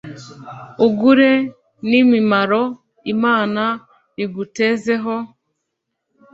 Ugire n’ imimaro Imana igutezeho.